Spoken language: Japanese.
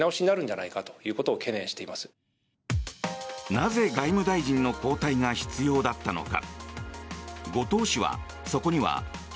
なぜ外務大臣の交代が必要だったのか。